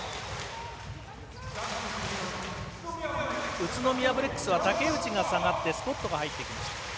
宇都宮ブレックスは竹内が下がってスコットが入ってきました。